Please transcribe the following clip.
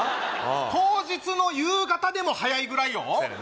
当日の夕方でも早いぐらいよそやな